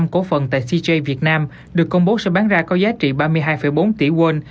năm cổ phần tại cj việt nam được công bố sẽ bán ra có giá trị ba mươi hai bốn tỷ won